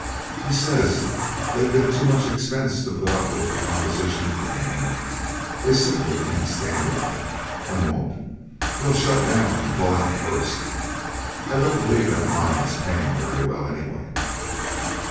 He says they've been to too much expense to put up with the proposition for a moment; they simply can't stand it, and won't; they'll shut down and pull out first. I don't believe that mine is paying very well, anyway."